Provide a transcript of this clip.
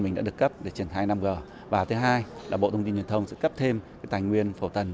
mình đã được cấp để triển khai năm g và thứ hai là bộ thông tin truyền thông sẽ cấp thêm tài nguyên phổ tần